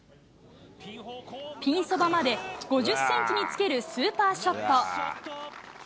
ピンそばまで５０センチにつけるスーパーショット。